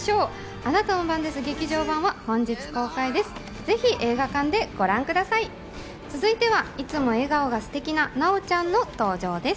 『あなたの番です劇場版』は本日公開です。